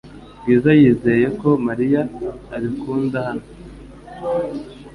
Bwiza yizeye ko Mariya abikunda hano .